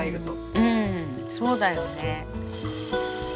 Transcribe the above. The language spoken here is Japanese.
うんそうだよね。